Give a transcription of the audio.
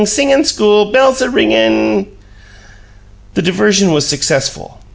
Singin' school bell's a wingin'!" The diversion was successful.